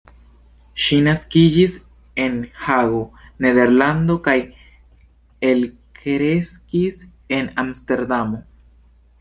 Ŝi naskiĝis en Hago, Nederlando kaj elkreskis en Amsterdamo.